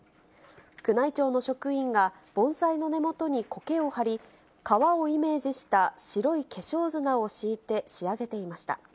宮内庁の職員が盆栽の根元にこけを張り、川をイメージした白い化粧砂を敷いて、仕上げていました。